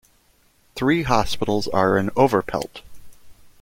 Three hospitals are in Overpelt.